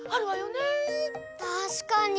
たしかに！